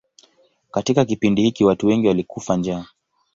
Katika kipindi hiki watu wengi walikufa njaa.